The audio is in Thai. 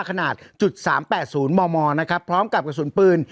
ขนาดจุดสามแปดศูนย์มมนะครับพร้อมกับกระสุนปืน